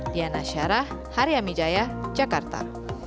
diana syarah hari amijaya jakarta